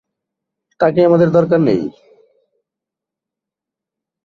তাকে আমাদের দরকার নেই।